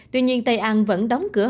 tuy nhiên tây an vẫn đóng cửa